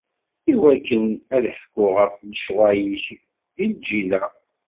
Iwakken ad ḥkuɣ ɣef lecɣal-ik i lǧil-a.